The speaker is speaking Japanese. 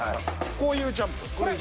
こういうジャンプ。